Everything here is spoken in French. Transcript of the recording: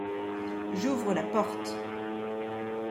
J’ouvre la porte.